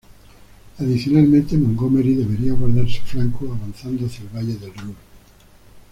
Adicionalmente, Montgomery debería guardar su flanco, avanzando hacia el valle del Ruhr.